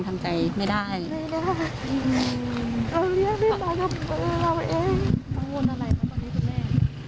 ต้องว่านายมากกว่านี้คุณแม่